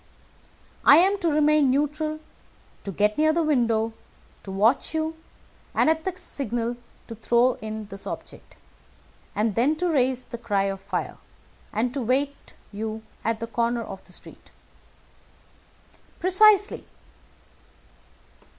"I am to remain neutral, to get near the window, to watch you, and, at the signal, to throw in this object, then to raise the cry of fire and to wait you at the corner of the street." "Precisely."